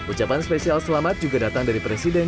ucapan spesial selamat juga datang dari presiden